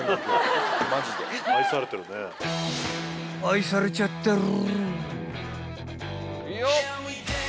［愛されちゃってる！］